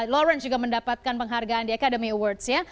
lawrence juga mendapatkan penghargaan di academy awards ya